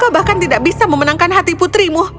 bahkan tidak bisa memenangkan hati putrimu